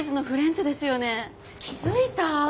気付いた？